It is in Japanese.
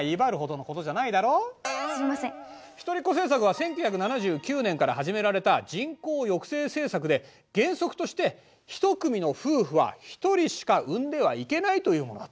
一人っ子政策は１９７９年から始められた人口抑制政策で原則として１組の夫婦は１人しか生んではいけないというものだった。